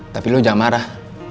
tapi lo jangan marah